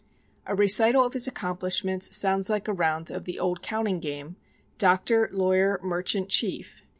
A recital of his accomplishments sounds like a round of the old counting game, "Doctor, lawyer, merchant, chief."